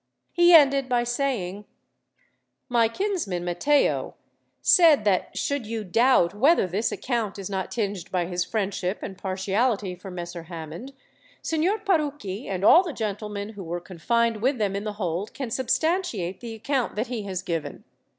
He ended by saying: "My kinsman, Matteo, said that should you doubt whether this account is not tinged by his friendship and partiality for Messer Hammond, Signor Parucchi, and all the gentlemen who were confined with them in the hold, can substantiate the account that he has given.